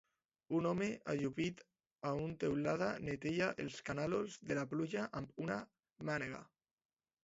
Un home ajupit a un teulada neteja els canalons de la pluja amb una mànega.